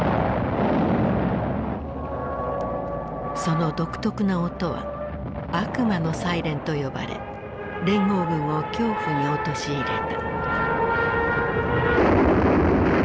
その独特な音は「悪魔のサイレン」と呼ばれ連合軍を恐怖に陥れた。